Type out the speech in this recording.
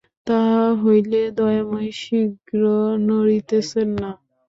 তাহা হইলে দয়াময়ী শীঘ্র নড়িতেছেন না।